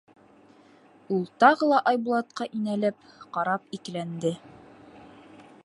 Ул тағы ла Айбулатҡа инәлеп ҡарап икеләнде: